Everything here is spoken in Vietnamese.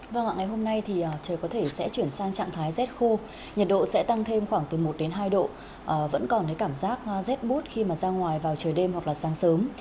vâng ạ ngày hôm nay thì trời có thể sẽ chuyển sang trạng thái rét khô nhiệt độ sẽ tăng thêm khoảng từ một đến hai độ vẫn còn cái cảm giác rét bút khi mà ra ngoài vào trời đêm hoặc là sáng sớm